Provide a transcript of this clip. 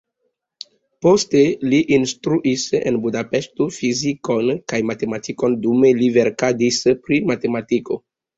Poste li instruis en Budapeŝto fizikon kaj matematikon, dume li verkadis pri matematiko.